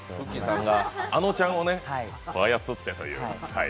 さんがあのちゃんを操ってというね。